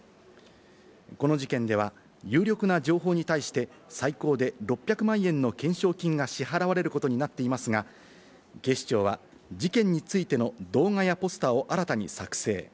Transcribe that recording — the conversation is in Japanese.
この事件では、有力な情報に対して、最高で６００万円の懸賞金が支払われることになっていますが、警視庁は事件についての動画やポスターを新たに作成。